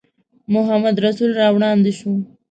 محمدرسول را وړاندې شو.